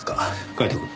カイトくん。